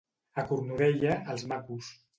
A Cornudella, els macos.